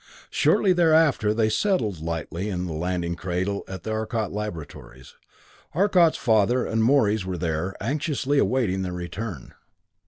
Shortly thereafter they settled lightly in the landing cradle at the Arcot Laboratories. Arcot's father, and Morey's, were there, anxiously awaiting their return.